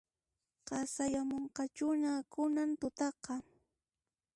Qasayamunqachuhina kunan tutaqa